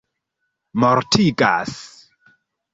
mortigas